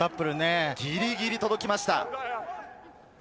ギリギリ届きました。